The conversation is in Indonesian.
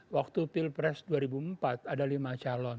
waktu pilpres dua ribu empat ada lima calon